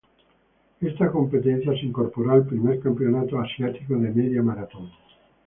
Esta competencia se incorporó al primer Campeonato Asiático de Media Maratón.